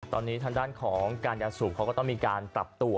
ตอนนี้ทางด้านของการยาสูบเขาก็ต้องมีการปรับตัว